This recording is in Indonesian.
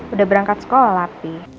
udah berangkat sekolah papi